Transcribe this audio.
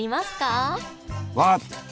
分かった！